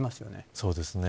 そうですね。